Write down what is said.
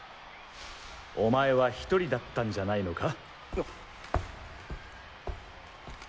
お前は１人だったんじゃないのか？